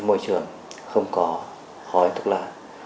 môi trường không có khói thuốc lá